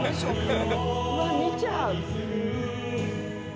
うわ見ちゃう。